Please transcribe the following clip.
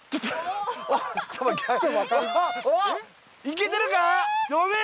いけてるか？